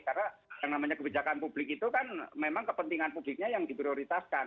karena yang namanya kebijakan publik itu kan memang kepentingan publiknya yang diprioritaskan